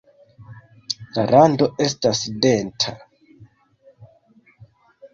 La rando estas denta.